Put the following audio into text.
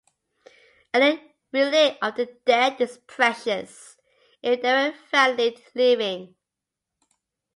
Any relic of the dead is precious, if they were valued living.